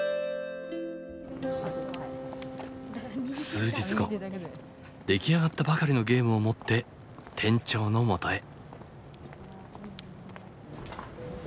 数日後出来上がったばかりのゲームを持って店長のもとへ。